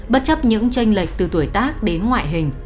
bất chấp những tranh lệch từ tuổi tác đến ngoại hình